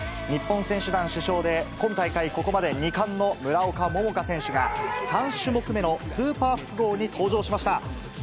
日本選手団主将で、今大会、ここまで２冠の村岡桃佳選手が、３種目目のスーパー複合に登場しました。